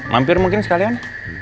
mampir mungkin sekalian